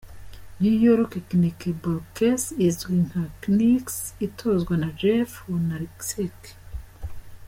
New York Knickerbockers izwi nka Knicks itozwa na Jeff Hornacek.